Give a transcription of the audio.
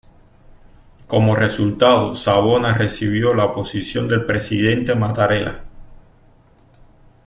Como resultado, Savona recibió la oposición del presidente Mattarella.